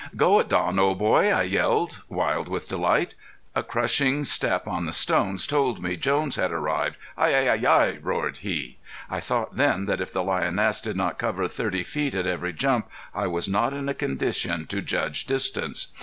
"Go it, Don, old boy!" I yelled, wild with delight. A crushing step on the stones told me Jones had arrived. "Hi! Hi! Hi!" roared he. I thought then that if the lioness did not cover thirty feet at every jump I was not in a condition to judge distance.